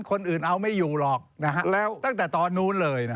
คนอื่นเอาไม่อยู่หรอกแล้วตั้งแต่ตอนนู้นเลย